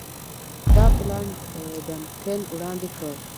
دا پلان ډنکن وړاندي کړ.